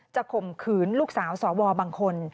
ข่มขืนลูกสาวสวบางคน